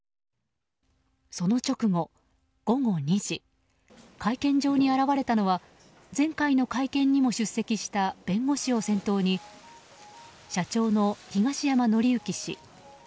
その直後、午後２時会見場に現れたのは前回の会見にも出席した弁護士を先頭に社長の東山紀之氏